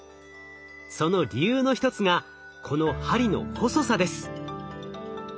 その理由の一つがこの針の細さです。